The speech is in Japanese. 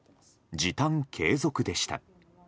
時短継続でした。